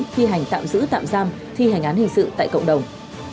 thi hành tạm giữ tạm giam thi hành án hình sự tại cộng đồng